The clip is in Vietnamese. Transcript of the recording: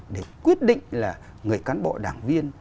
để quyết định là người cán bộ đảng viên